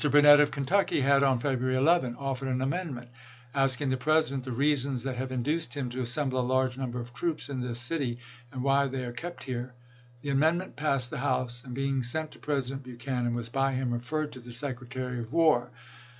Burnett, of Kentucky, had, on ^p'.1*^861' February 11, offered an amendment asking the President "the reasons that have induced him to assemble a large number of troops in this city, and why they are kept here." The amendment passed the House, and being sent to President Buchanan, was by him referred to the Secretary of War.